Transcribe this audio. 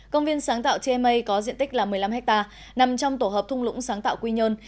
công viên sáng tạo tma có diện tích một mươi năm ha nằm trong tổ hợp thung lũng sáng tạo quy nhơn